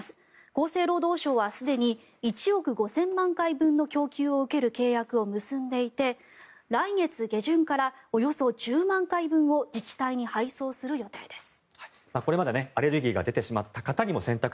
厚生労働省はすでに１億５０００万回分の供給を受ける契約を結んでいて来月下旬からおよそ１０万回分を自治体に配送する予定です。